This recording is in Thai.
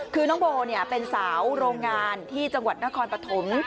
คือน้องโบเป็นสาวโรงงานที่จังหวัดนครปฐม